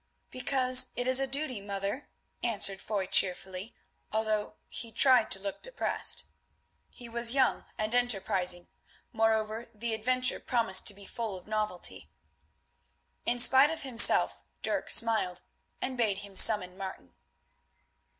"Because it is a duty, mother," answered Foy cheerfully, although he tried to look depressed. He was young and enterprising; moreover, the adventure promised to be full of novelty. In spite of himself Dirk smiled and bade him summon Martin.